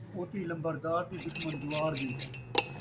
کھوتی لمبردار دی ، دشمن جوار دی